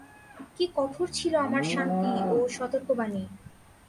কি কঠোর ছিল আমার শান্তি ও সতর্কবাণী!